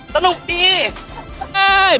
ไปแล้วไปแล้ว